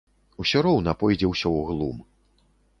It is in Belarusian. Усё роўна пойдзе ўсё ў глум.